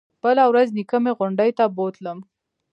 بله ورځ نيكه مې غونډۍ ته بوتلم.